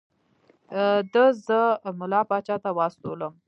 ده زه ملا پاچا ته واستولم.